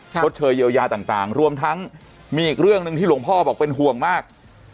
ชดเชยเยียวยาต่างรวมทั้งมีอีกเรื่องหนึ่งที่หลวงพ่อบอกเป็นห่วงมาก